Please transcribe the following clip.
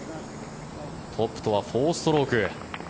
トップとは４ストローク。